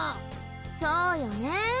そうよねん。